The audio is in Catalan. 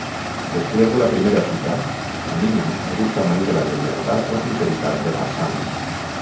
Després de la primera cita, Aminah no dubta mai de la lleialtat o sinceritat de Hassan.